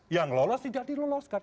yang lolos tidak diloloskan